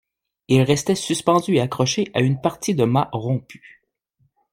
Il restait suspendu et accroché à une partie de mât rompue.